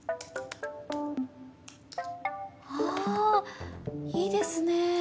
ああいいですね。